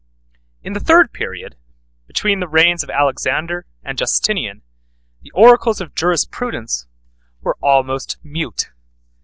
In the third period, between the reigns of Alexander and Justinian, the oracles of jurisprudence were almost mute.